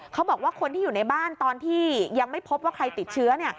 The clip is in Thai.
เขาบอกว่าคนที่อยู่ในบ้านตอนที่ยังไม่พบว่าใครติดเชื้อ